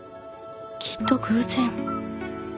きっと偶然。